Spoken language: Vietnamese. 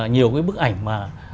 nhiều cái bức ảnh mà